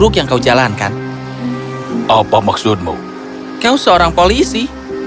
kau seorang polisi